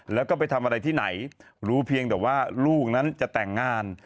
แล้วก็ไปทำอะไรที่ไหนรู้เพียงแต่ว่าลูกนั้นจะแต่งงาน